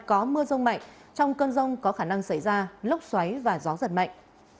có mưa rông mạnh trong cơn rông có khả năng xảy ra lốc xoáy và gió giật mạnh